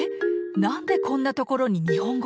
何でこんな所に日本語？